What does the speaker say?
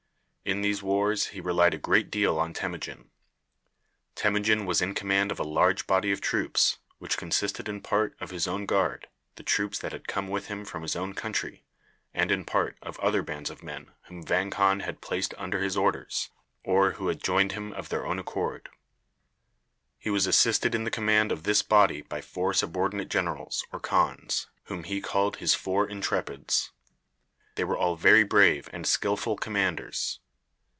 In these wars he relied a great deal on Temujin. Temujin was in command of a large body of troops, which consisted in part of his own guard, the troops that had come with him from his own country, and in part of other bands of men whom Vang Khan had placed under his orders, or who had joined him of their own accord. He was assisted in the command of this body by four subordinate generals or khans, whom he called his four intrepids. They were all very brave and skillful commanders.